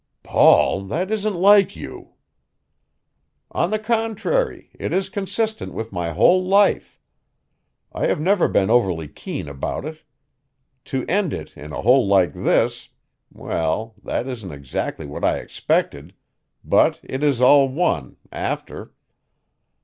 "Paul, that isn't like you." "On the contrary, it is consistent with my whole life. I have never been overly keen about it. To end it in a hole like this well, that isn't exactly what I expected; but it is all one after.